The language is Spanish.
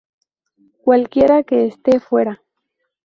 cualquiera que éste fuera